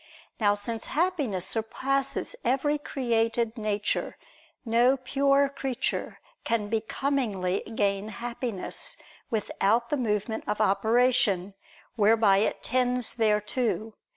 Now since Happiness surpasses every created nature, no pure creature can becomingly gain Happiness, without the movement of operation, whereby it tends thereto.